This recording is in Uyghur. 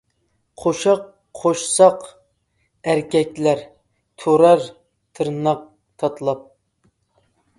قوشاق قوشساق ئەركەكلەر، تۇرار تىرناق تاتىلاپ.